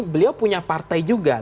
beliau punya partai juga